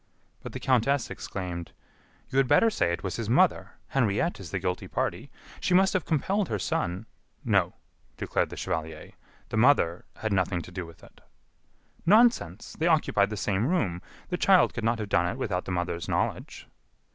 But the countess exclaimed: "You had better say it was his mother. Henriette is the guilty party. She must have compelled her son " "No," declared the chevalier, "the mother had nothing to do with it." "Nonsense! they occupied the same room. The child could not have done it without the mother's knowledge."